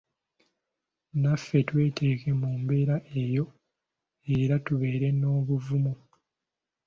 Naffe tweteeke mu mbeera eyo era tubeere n'obuvumu.